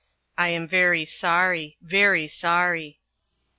... I am very sorry, very sorry.